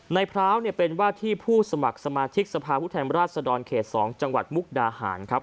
พร้าวเป็นว่าที่ผู้สมัครสมาชิกสภาพผู้แทนราชดรเขต๒จังหวัดมุกดาหารครับ